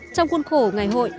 trong khuôn khổ ngày hội